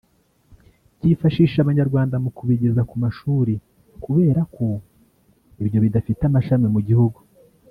byifashisha Abanyarwanda mu kubigeza ku mashuri kubera ko byo bidafite amashami mu gihugu